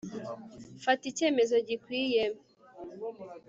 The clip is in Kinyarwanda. fata icyemezo gikwiye